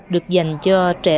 được dành cho trẻ em